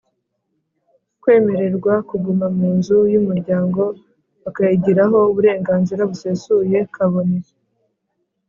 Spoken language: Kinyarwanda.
kwemererwa kuguma mu nzu y’umuryango bakayigiraho uburenganzira busesuye, kabone ,